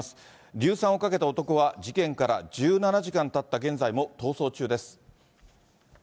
硫酸をかけた男は、事件から１７時間たった現在も逃走中です。